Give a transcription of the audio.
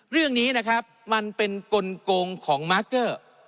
เรื่องนี้นะครับมันเป็นกลงของมาร์เกอร์